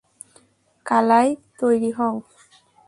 কালাই, তৈরি হও।